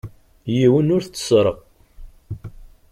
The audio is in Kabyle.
Yiwen ur t-tteṣṣreɣ.